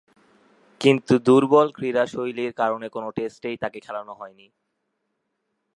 কিন্তু দূর্বল ক্রীড়াশৈলীর কারণে কোন টেস্টেই তাকে খেলানো হয়নি।